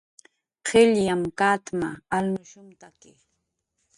qillyam katma, alnushumtaki